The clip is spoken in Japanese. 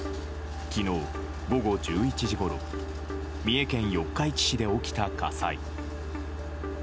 昨日午後１１時ごろ三重県四日市市で起きた火災。